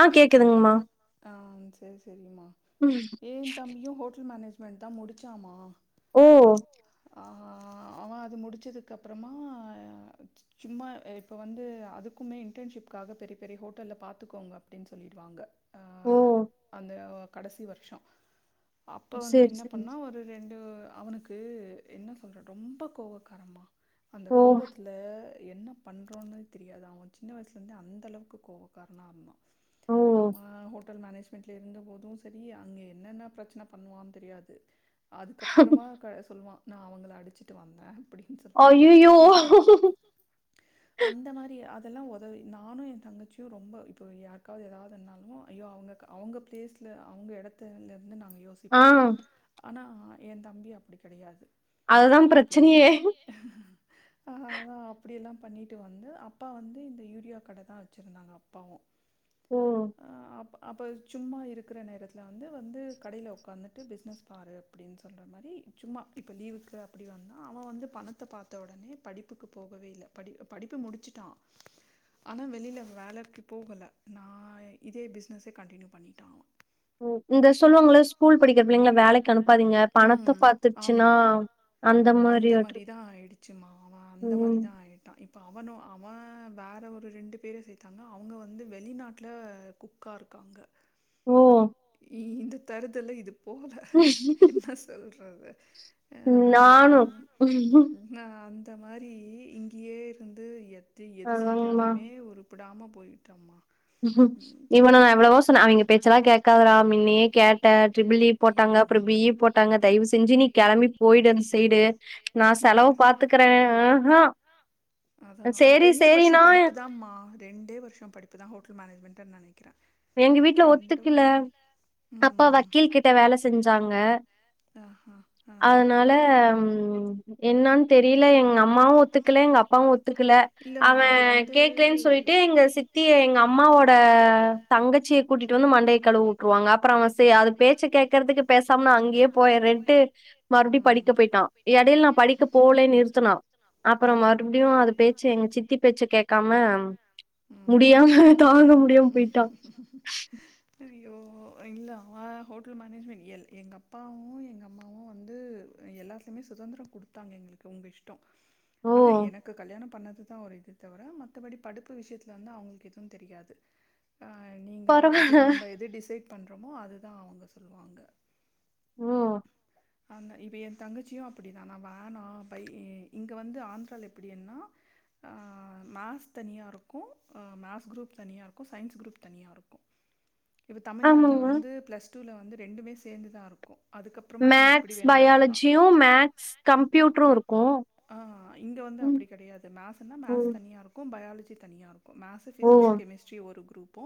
ஆஹ் கேக்குதுங்கமா சேரி ஏன் தம்பியும் ஹோட்டல் மேனேஜ் மெண்டு தான் முடிச்சாமா ஓ அஹ் அவன் அது முடிச்சதுக்கு அப்புறமா சும்மா இப்போ வந்து அதுக்குமே இன்டர்ன்ஷிப்காக பெரிய பெரிய ஹோட்டல்ல பாத்துக்கோங்க அப்டின்னு சொல்லிடுவாங்க ஆ அந்த கடைசி வருஷம் அப்ப வந்து என்ன பண்ணா ஒரு ரெண்டு அவனுக்கு என்ன சொல்ற ரொம்ப கோபக்காரமா அந்த கோபத்துல என்ன பண்ணுறோன்னே தெரியாது அவன் சின்ன வயசலருந்தே அந்தளவுக்கு கோபக்காரனாக இருந்தான் அவன் ஹோ ஹோட்டல் மேனேஜ்மெண்ட்ல இருந்த போதும் சரி அங்க என்னென்ன பிரச்சனை பண்ணுவான்னு தெரியாது அதுக்கப்புறமா க சொல்லுவான் நான் அவங்கள அடிச்சிட்டு வந்தன் ஐயையோ அதெல்லாம் உதவி நானும் என் தங்கச்சியும் ரொம்ப இப்போ யாருக்காவது ஏதாதுனாலும் ஐயோ அவுங்க அவுங்க பிளேஸ்ல அவுங்க இடத்துல நாங்க யோசிப்போம் ஆனா என் தம்பி அப்டி கிடையாது ஆஹ் அதான் அப்டி எல்லாம் பண்ணிட்டு வந்து அப்பா வந்து இந்த யூரியா கடை தான் வச்சிருந்தாங்க அப்பாவும் உஹ்ம் அப்போ சும்மா இருக்கிற நேரத்தில் வந்து வந்து கடையில் உக்காந்துட்டு பிஸ்னஸ் பாரு அப்டின்னு சொல்ற மாரி சும்மா இப் இப்போ லீவுக்கு அப்படி வந்தா அவன் வந்து பணத்த பார்த்த உடனே படிப்புக்கு போகவே இல்ல படி படிப்பு முடிச்சட்டான் ஆனா வெளியில வேலைக்கு போகல நான் இதே பிஸ்னஸே கண்டினியூ பண்ணிட்டான் இந்த சொல்லுவாங்கள ஸ்கூல் படிக்கிற பிள்ளைங்களா வேலைக்கு அனுப்பாதீங்க பணத்த பாத்துருச்சுன்னா அந்த மாரி தான் ஆயிடுச்சுமா அவன் அந்த மாரிதான் ஆயிட்டான் இப்போ அவன் அவன் வேற ஒரு ரெண்டு பேர சேர்த்தாங்க அவங்க வந்து வெளிநாட்டுல குக்கா இருக்காங்க ஓ இந்த தரதெல்லா இது போல என்ன சொல்ற ஆவ நானும் இந்த மாரி இங்கேயே இருந்து எத் எது செஞ்சாலுமே ஒருப்படாம போய்ட்டம்மா ம் இவன நான் எவ்ளவோ சொன்னே அவங்க பேச்சல்லாம் கே கவர மின்னயே கேட்டன் ட்ரி பிள் இ போட்டாங்க அப்புறம் பி இ போட்டாங்க தயவு செஞ்சு நீ கிளம்பி போயிட்டு அந்த சைடு நான் செலவு பாத்துக்கறேன் ஆஹ்ஹா செரி சரினா ஹோட்டல் மேனஜ்மெண்ட் நெனை எங்க வீட்ல ஒத்துக்கல அப்பா வக்கீல் கிட்ட வேல செஞ்சாங்க அதனால ம்ம் என்னானு தெரியல எங்க அம்மாவு ஒத்துக்கல எங்க அப்பாவு ஒத்து க்குல அவேன் கேக்கலன்னு சொல்லிட்டு எங்க சித்தி எங்க அம்மாவோடா ஆஹ் தங்கச்சிய கூட்டிட்டு வந்து மண்டைய கலுவ உட்டுருவாங்க அப்புறோ அது சே பேச்ச கேக்கறதுக்கு பேச சாம அங்கேயே போயிரன்ட்டு மறுபடியு படிக்க போயிட்டா எடைல நா படிக்க போல நிறுத்துனா அப்புறோ மறுபடியு அது பேச்ச எங்க சித்தி பேச்ச கேக்காம முடியாம தாங்க முடியாம போயிட்டா ஐயோ இல்ல அவன் ஹோட்டல் மேனேஜ்மெண்ட் இல் எங்க அப்பா அப்பாவு எங்க அம்மாவு வந்து எல்லாத்துலேயுமே சுதந்திரோ குடுத்தாங்க எங்களுக்கு உங்க இஷ்டம் ஆனா எனக்கு கல்யாணம் பண்ணது அது தா ஒரு இது தவிர மத்தபடி படுப்பு விஷயத்துல வந்து அவங்களுக்கு எதுவும் தெரியாது நீங்களா எது நம்ம எது டிசைட் பண்றோமோ அது தா அவுங்க சொல்லுவாங்க ஓ அந்த இப்ப எ தங்கச்சியு அப்டி தா நா வேணா பை இங்க வந்து ஆந்திரால எப்டினா ஆ மேத்ஸ் தனியா இருக்கு மேத்ஸ் குரூப் தனியா இருக்கு சயின்ஸ் குரூப் தனியா இருக்கு இப்ப தமில்நாடுல வந்து பிளஸ் டுல வந்து ரெண்டுமே சேந்து தா இருக்கு அதுக்கப்புறமா நீங்க எப்டி வேணாலு போலா மேத்ஸ் பயாலஜியு மேத்ஸ் கம்ப்யூட்ரு ஆ இங்க வந்து அப்டி கெடையாது மேத்ஸ்னா மேத்ஸ் தனியா இருக்கு பயால [unintelligible] தனியா மேத்ஸ் ஃபிசிக்ஸ் கெமிஸ்ட்ரி ஒரு குரூப் ப்பு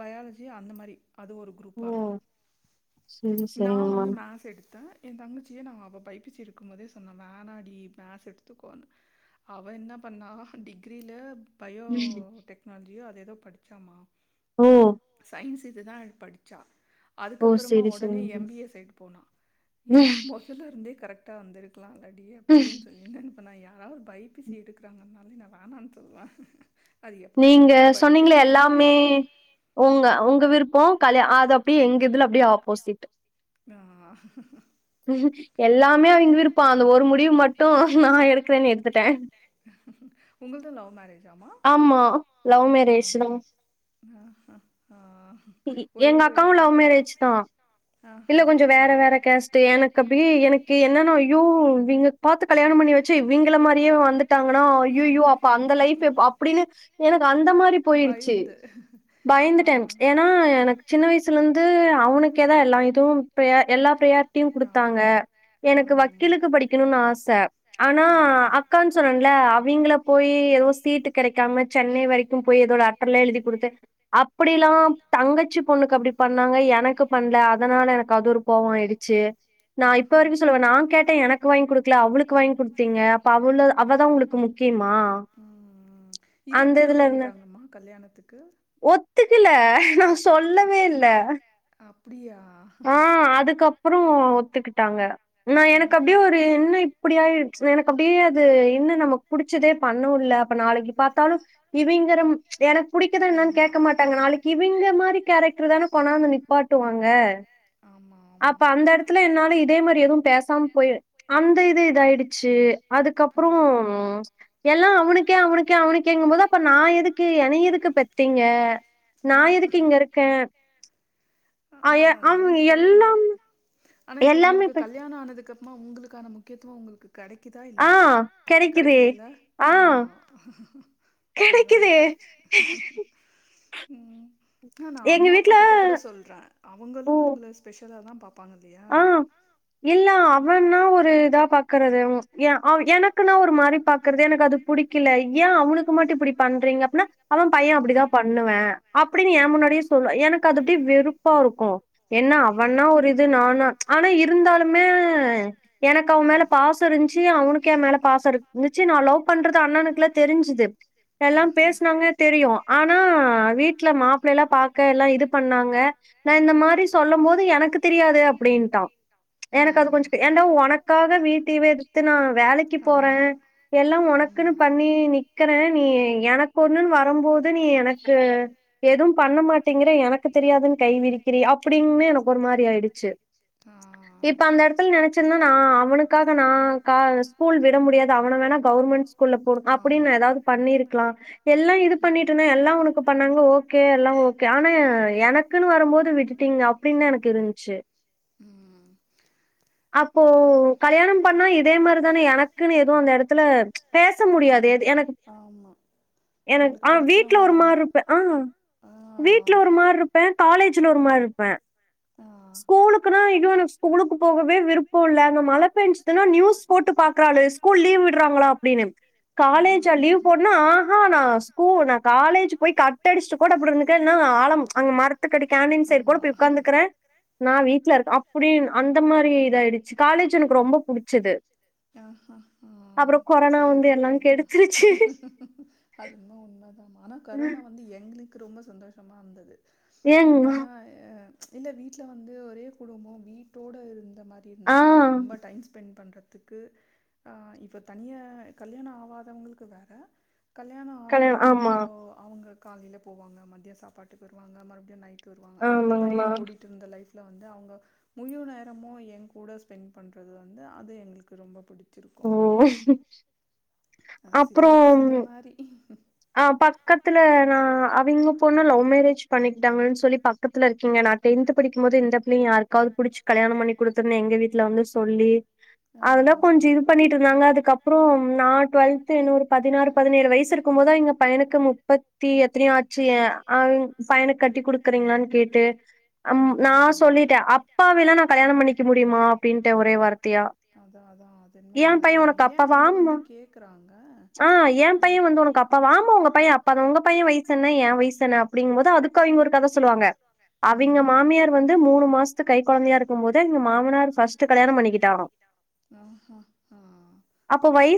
பயாலஜி அந்த மாரி அது ஒரு குரூப்பாருக்கு நா வ ந்து மேஸ் எடுத்தே எந்தங்கச்சிய நா அவ பைபிச்சி இருக்கும்போதே சொன்ன வேணாடி மேஸ் எடுத்துக்கோனு அவ என்ன பண்ணா டிகிரில பயோ டெக்னால ஜியோ அது எதோ படுச்சாமா சயின்ஸு இது தா எடு படுச்சா அதுக்கப்பறமா ஒடனே எம் பி ஏ சைடு னா இதுக்கு மொதல்ல ந்தே கரெக்ட்டா வந்துரு க்லால்லடி அப்டின் சொல்லிந்த இப்ப நா யாராது பைப்பீசி எடுக்குறாங்கனாலே நா வேணான் சொல்லுவே நீங்க சொன்னீங்ளா எல்லாமே உங்க உங்க விருப்பொ கல்யா அது அப்டியே எங்க இதுல டே ஆப்போசிட் எல்லாமே அவிங்க விருப்பொ அந்த ஒரு முடிவு மட் டு நா எடுக்குறேன் எடுத்துட்டே உங்கள்து லவ் மேரேஜாமா ஆமா லவ் மேரேஜ் தா எங்க அக்காவு லவ் மேரேஜ் தா இல்ல கொஞ்ச வேற வேற கேஸ்ட்டு எனக்கு அப்டியே எனக்கு என்னன்னா யோ இவிங்க பாத்த கல்யாணம் பண்ணி வச்சா இவிங்கள மாரியே வந்து ட்டாங்கனா ஐய்யயோ அப்ப அந்த லைஃப் எப் அப் அப்டினு எனக்கு அந்த மாரி போயிருச்சு பயந்துட்டே ஏன்னா எனக்கு சின்ன வயசு சுலந்து அவனுக்கேதா எல்லாம் இதுவு ப்ரய எல்லா ப்ரயா டிவ் குடுத்தாங்க எனக்கு வக்கீலுக்கு படிக்கணுனு ஆச ஆனா அக்கான் சொன்னேன்ல அவிங்கள போயி எதோ சீட்டுக் கெடைக்காம சென்னை வரைக்கும் போய் எதோ லெட்டர்லா எழுதி குடுத்து அப்டிலா தங்கச்சி பொண்ணுக்கு அப்டி பண்ணாங்க எனக்கு பண்ல அதனால எனக்கு அது ஒரு கோவொ ஆயிடுச்சு நா இப்ப வரைக்கு சொல்லுவே நா கேட்டே எனக்கு வாங்கி குடுக்கல அவளுக்கு வாங்கி குடுத்தீங்க அப்ப அவள அவதா உங்களுக்கு முக்கியமா அந்த இதுல இருந்தெ ஒத்துக்கல நா சொல்லவே இல்ல ஆ அதுக்கப்றொ ஒத்துக்கிட்டாங்க நா எனக்கு அப்டியே ஒரு என்ன இப்புடியா எனக்கு அப்டியே அது என்ன நமக்கு புடிச்சதே பண்ணவுல்ல நாளைக்கு பாத்தாலும் இவிங்கரம் எனக்கு புடிக்குதான் என்னானு கேட்க மாட்டாங்க நாளைக்கு இவுங்க மாரி கேரக்டர் தானே கொணாந்து நிப்பாட்டுவாங்க அப்ப அந்த இடத்துல என்னால இதே மாரி எதுவும் பேசாம போயி அந்த இது இதாயி ச்சு அதுக்கப்புறம் எல்லாம் அவனுக் அவனுக்கே அவனுகேங்கும் போது அப்ப நான் எதுக்கு எனய எதுக்கு பெத்திங்க நான் எதுக்கு இங்க இருக்கேன் அஹ் அவ எல்லாம் ஆனா இப்ப உங்களுக்கு கல்யாண ஆ அதுக்க அப்புறமா உங்களுக்கான முக்கியத்துவம் உங்களுக்கு கெடைக்குதா இல்லையா கெடைக்குதுல ஆமா அதான் ஆஹ் நான் அம்மா அப்பா கிட்ட கூட சொல் அவுங்களும் உங்கள ஸ்பெஷலா தான் ஆஹ் இல்ல அவன்னா ஒரு இதா பாக்குறது அ உ ஆ எனக்குன்னா ஒரு மாரி பாக்குறது எனக்கு அது புடிக்கல ஏன் அவனுக்கு மட்டும் இப்படி பண்றீங்க அப்னா அவன் பையன் அப்படிதான் பண்ணுவேன் அப்படின்னு என் முன்னாடியே சொல்லு எனக்கு அது அப்டி வெறுப்பா இருக்கும் என்னா அவன்னா ஒரு இது நான ஆனா இருந்தாலுமே எனக்கு அவன் மேல பாசம் இருந்துச்சு அவனுக்கே மேல பாசம் இருந்துச்சு நான் லவ் பண்றது அண்ணனுக்குல தெரிஞ்சுது எல்லாம் பேஸ்னாங்க தெரியும் ஆனா வீட்டுல மாப்பிள்ள எல்லாம் பாக்க எல்லாம் இது பண்ணாங்க நான் இந்த மாரி சொல்லும் போது எனக்கு தெரியாது அப்படின்டான் எனக்கு அது கொஞ்சம் ஏன்டா உனக்காக வீட்டவே எதிர்த்து நான் வேலைக்கு போறேன் எல்லாம் உனக்குன்னு பண்ணி நிக்கிறேன் நீ எனக்கு ஒன்னுன்னு வரும்போது நீ எனக்கு எதுவும் பண்ண மாட்டேங்கற எனக்கு தெரியாதுன்னு கைவிரிக்கிறி அப்படின்னு எனக்கு ஒரு மாரி ஆயிடுச்சு இப்ப அந்த இடத்துல நினைச்சன நா அவனுக்காக நா க ஸ்கூல் விட முடியாது அவன வேணா கவுர்மெண்ட் ஸ்கூல்போடுங்க அப்படின்னு நா எதாவது பன்னிருக்கலாம் எல்லாம் இதுபன்னிட்டு எல்லாம் உனக்கு இது பண்ணாங்க ஓகே ஆனா எனக்குன்னு வரும்போது விட்டுட்டீங்க அப்படின்னு எனக்கு இருந்துச்சு சேர் அப்போ கல்யாணம் பண்ணா இதே மாதிரிதானே எனக்குன்னு எதுவும் அந்த இடத்துல பேச முடியாது எனக்கு எனக்கு ஆஹ் வீட்டுல ஒரு மாதிரி இருப்ப ஆஹ் வீட்டுல ஒரு மாரி இருப்பேன் காலேஜ்ல ஒரு மாரி இருப்பேன் ஸ்கூலுக்குன்னா இன்னோன்னு ஸ்கூலுக்கு போகவே விருப்பம் இல்ல அங்க மழ பெய்ஞ்சுதுன்னா அங்க நியூஸ் போட்டு பாக்குறாளு ஸ்கூல் லீவ் விடுறாங்களா அப்படின்னு காலேஜா லீவ் போன்னாஹா நா ஸ்கூல் காலேஜ் போய் கட்டு அடிச்சுட்டு கூட அப்படி இருந்துக்கன்னா ஆலம் அங்க மர டி கான்டின் சைடு கூடய் போய்உட்காந்துக்கறன் நா வீட்ல இருக்க அப்டின் அந்த மாரி இதாயிடுச்சு காலேஜ் எனக்கு ரொம்ப புடிச்சது அஹ் ஆஹ் ஆஹ் சேர் சேரிங்க அதுன்னு உண்மதமா ஆனா கரோனா வந்து எங்குளுக் க்கு ரொம்ப சந்தோஷமா இருந்தது ஏன்னா எஹா இல்ல வீட்டுல வந்து ஒரே குடும்பம் வீட்டோட இருந் இந்த மாரி இருந்ததா ரொம்ப டைம் ஸ்பெண்ட் பண்ற க்கு ஆஹ் இப்ப தனிய கல்யாண ஆவாதங்களுக்கு வேற கல்யாண ஆனவங்களுக்கு வந்து இப்போ அவுங்க காலையில போவாங்க மதிய சாப்பாட்டுக்கு வருவாங்க மறுபடியும் நைட் ட்டு வருவாங்க இந்த மாரி ஓடிட்டு இருந்த லைப் வுட்ல வந்து அவுங்க முழுநேரமு எங்கூட ஸ்பெண்ட் பண்றது வந்து அது எங்குளுக் ரொம்ப புடிக் ம் ஆஹ் சிலருக்கு சில மாரி ஆஹ் பக்கத்துல நா அவிங்க பொண்ணு லவ் மேரேஜ் பண்ணிக்டாங்கன்னு சொல்லி பக்கத்துல இருக்கீங்க நா டென்த்து படிக்கும் போதே இந்த பிள்ளையு யாருக்காவது புடுச்சு கல்யாணம் பண்ணி குடுத்துருணு எங்க வீட்டுல வந்து சொல்லி அதெல்லா கொஞ்சு இது பண்ணிட்டு இருந்தாங்க அதுக்கப்புறோம் நா டொல்த்து இன்னு ஒரு பதினாறு பதினேழு வயசிருக் க்கும் போதா எங்கு பையனுக்கு முப்பத்தி எத்துனையோ ஆச்சு ஏ அதும் பையனுக் கட்டி குடுக்கறீங்களான் கேட்டு அம் நா சொல்லிட்டே அப்பாவில்லா நா கல்யாணம் பண்ணிக்க முடியுமா அப்டின்டு ஒரே வார்த்தியா அதா அதா அதென்னுமோ உண்மதாங்க ஏ அவுங்க வந்து கேக்குறாங்க ஆஹ் எ பையனுக் உங்கப்பவாம் ஆமா உங்க பைய அப்பா தான் உங்க பைய வயிஸ் என்ன எ வயிஸ் என்ன அப்டிங்கும்போது அதுக்கா அவிங்க ஒரு கத சொல்லுவாங்க அவிங்க மாமியார் வந்து மூணு மாசத்துக்கு கை கொழ்ந்தியா இருக்கும்போது எங்க மாமுனார் பஸ்ட்டு கல்யாணம் பண்ணிக்கிட்டாங் ஆஹ் ஹ ஆஹா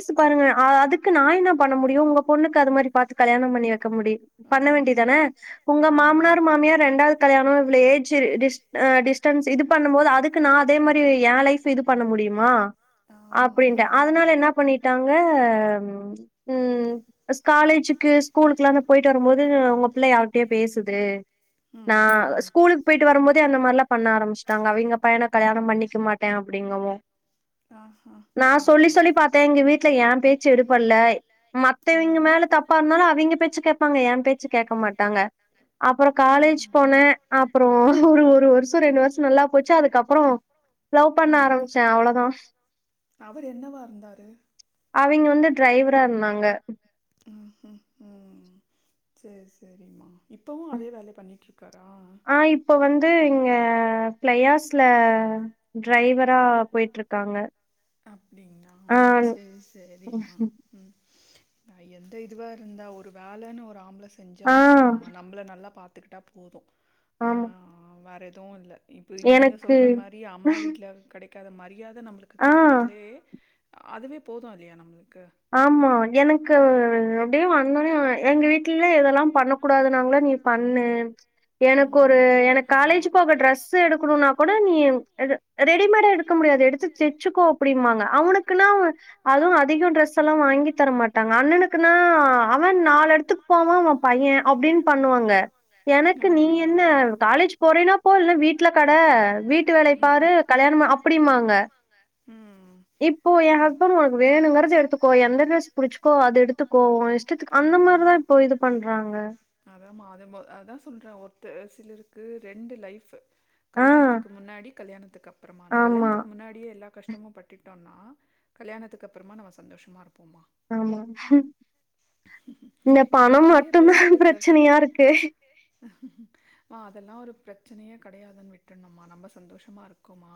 உத்து பாருங்க அஹா அதுக்கு நா என்ன பண்ண முடியு உங்கப் பொண்ணுக்கு அது மாரி பாத்து கல்யாணம் பண்ணி வெக்கு முடியு பண்ண வேண்டியதான உங்க மாம்னார் மாமியார் ரெண்டாவுது கல்யாணோ இவ்ளே ஏஜ் செரி டிஸ்டே ஆஹ் டிஸ்டன்ஸ்சு இது பண்ணும் போது அதுக்கு நா அதே மாரி எ லைஃப்ப இது பண்ண முடியுமா அப்டின்ட ஆதுனால என்ன பண்ணிட்டாங்க ம் உம் ஸ்சுக் காலேஜுக்கு ஸ்கூலுக்குலா நா போயிட்டு வரும்போது உங்க பிள்ளை யாருடையோ பேசுது நா ஸ்கூலுக்கு போயிட்டு வரும்போதே அந்த மாரிலா பண்ண ஆரம்பிச்சுடாங்க அவிங்க பையன கல்யாணம் பண்ணிக்க மாட்டேன் அப்டிங்கவே நா சொல்லி சொல்லி பாத்தே எங்க வீட்ல ஏ பேச்ச எடு பல்லேய் மத்தவிங்க மேல தப்பாருந்தாலு அவிங்க பேச்சு கேப்பாங்க ஏன் பேச்சு கேக்க மாட்டாங்க அப்புறம் காலேஜ் போனே அப்புறோ ஒரு ஒரு வருஷம் ரெண்டு வருஷோ நல்லா போச்சு அதுக்கப்பபுறோ லவ் பண்ண ஆரம்பிச்சே அவ்ளோதா அவிங்க வந்து டிரைவரா இருந்தாங்க ஹம் ஹம் உஹம் செரி செரிம்மா ஆஹ் இப்போ வந்து இங்க ஃபிளையாஸ்ல டிரைவரா போயிட்ருக்காங்க அப்டிங்ளா சேரி செரிங்மா உம் அ எந்த இதுவா இருந்தா ஒரு வேலன்னு ஒரு ஆம்பள செஞ்சாலே போதும்மா நம்பள நல்லா பாத் துக்குட்டா போது ஆஹ் வேற எது வு இல்ல இப்போ நீங்க சொல்ற மாரி அம்மா வீட்ல கெடை க்காத மரியாத நம்ளுக்கு குடுத்தாலே அதுவே போது இல்லயா நம்ளு ஆமா எனக்கு அப்டியே வ ந்தவுனே எங்க வீட்லல்லா இதெல்லா பண்ணக் கூடாதுணாங்களா நீ பண்ணு எனக்கு ஒரு எனக்கு காலேஜ் போக டிரெஸ் எடுக்கணுன்னா கூட நீ எடு ரெடிமேடா எடு க்க முடியாது எடுத்து தச்சுக்கோ அப்டிம்பாங்க அவனுக்குன்னா அதுவு அதிகோ ட்ரஸ் ஸெல்லா வாங்கித் தர மாட்டாங்க அண்ணனுக்குனா அவ நாலு எடத்துக் கு போவா அவ பைய அப்டின்னு பண்ணுவாங்க எனக்கு நீ என்ன காலேஜ் போறீன்னா போ இல்ல வீட்ல கட வீட்டு வேலைய பாரு கல்யாணோ அப்டிம்பாங்க இப்போ என் ஹஸ்பண்ட் உனக்கு வேணுங்கறத எடுத்துக் ப்போ எந்த டிரஸ் புடிச்சுக்கோ அத எடுத்துக்கோ உ இஷ்டத்துக்கு அந்த மாரிதா இப்போ இது அதாம்மா அதம அதா சொல்றே ஒ ரு சிலருக்கு ரெண்டு லைஃப் கல்யாணத்துக்கு முன்னாடி கல்யாணத்துக்குக்கப் புறமானு கல்யாணத்துக்கு முன்னாடியே எல்லா கஷ் டமு பட்டிட்டோம்னா கல்யாணத்துக்கு அப்புறமா நம்ம சந்தோஷமா இருப்போமா ஆமா இந்த பணம் மட்டும்தா பிரச்சனையா இருக்கு மா அதெல்லா ஒரு பிரச்சனையே கெடையாதுன்னு விட்ரணும்மா நம்ம சந்தோஷமா இருக்கோமா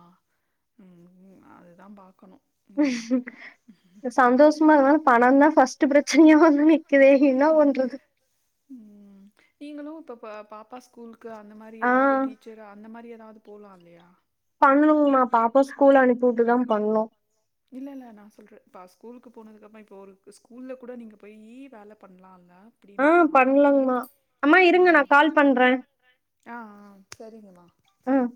உம் அதுதா பாக்கணு சந்தோஷமா இருந்தாலு பணம்தா ஃபஸ்ட் பிரச்சனையா வ ந்து நிக்கிதே என்ன பண்றது உம் நீங்களு இப்ப பா பாப்பா ஸ்கூல் க்கு அந்த மாரி ஏதாவது டீச்சர் அந்த மாரி எ தாவது போலா இல்லையா பண்ணனுங்மா பாப்பா ஸ்கூல் அனுப்பி விட்டுதா பண்ணணு இல்ல இல்ல நான் சொல்றேன் இப்ப ஸ்கூலுக்கு போனதுக்க அப்பற இப்ப ஒரு ஸ்கூல்ல கூட நீங்க போய் வேலை பண்ணலாம் ஆஹ் பண்ணலங்கமா ஆமா இருங்க நான் கால் பண்றேன் ஆஹ்